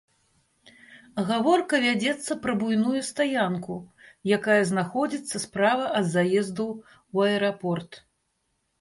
Гаворка вядзецца пра буйную стаянку, якая знаходзіцца справа ад заезду ў аэрапорт.